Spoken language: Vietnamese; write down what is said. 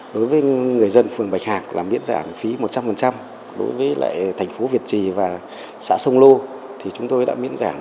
đối với người dân phường bạch hạc là miễn giảm phí một trăm linh đối với lại thành phố việt trì và xã sông lô thì chúng tôi đã miễn giảm